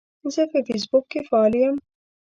زه په فیسبوک کې فعال یم.